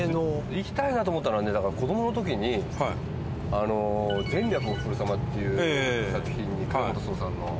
いきたいなと思ったのはねだから子どもの時に『前略おふくろ様』っていう作品に倉本聰さんの。